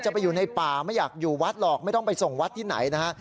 ไปอยู่ในป่าไม่อยากอยู่วัดหรอกไม่ต้องไปส่งวัดที่ไหนนะฮะ